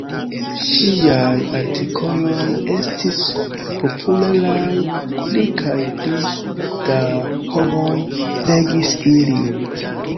Ŝiaj artikoloj estis popularaj, pli kaj pli da homoj legis ilin.